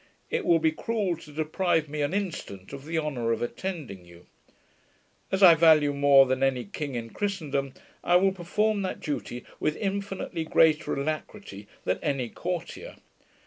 It will be cruel to deprive me an instant of the honour of attending you. As I value you more than any King in Christendom, I will perform that duty with infinitely greater alacrity than any courtier.